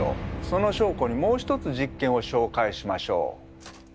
その証拠にもう一つ実験を紹介しましょう。